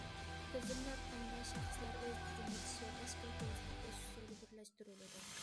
تىزىملاتقاندا شەخسلەر ئۆزى تىزىملىتىش ۋە تەشكىل كۆرسىتىپ بېرىش ئۇسۇلى بىرلەشتۈرۈلىدۇ.